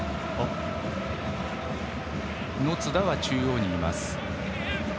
野津田は中央にいます。